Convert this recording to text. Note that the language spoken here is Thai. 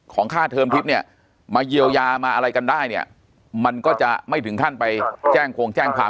ค่าเทอมทิศเนี่ยมาเยียวยามาอะไรกันได้เนี่ยมันก็จะไม่ถึงขั้นไปแจ้งโครงแจ้งความ